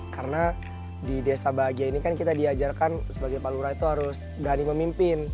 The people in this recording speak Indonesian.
karena di desa bahagia ini kan kita diajarkan sebagai pak lura itu harus berani memimpin